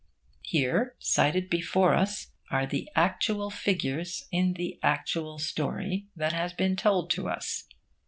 Here, cited before us, are the actual figures in the actual story that has been told to us.